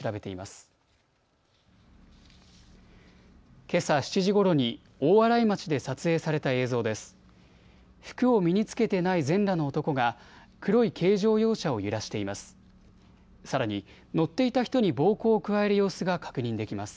服を身に着けてない全裸の男が黒い軽乗用車を揺らしています。